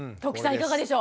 いかがでしょう？